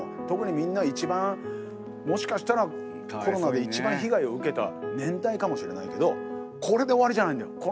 特にみんな一番もしかしたらコロナで一番被害を受けた年代かもしれないけどこれで終わりじゃないんだよ。